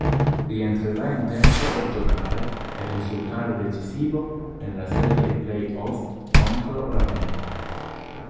Rientrerà in tempo per giocare e risultare decisivo nella serie play-off contro Ravenna.